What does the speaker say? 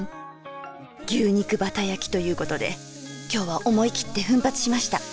「牛肉バタ焼き」ということで今日は思いきって奮発しました。